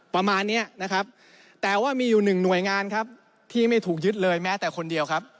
ประมาณเนี้ยนะครับแต่ว่ามีอยู่หนึ่งหน่วยงานครับที่ไม่ถูกยึดเลยแม้แต่คนเดียวครับ